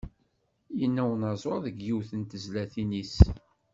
Yenna unaẓuṛ deg yiwet n tezlatin-is.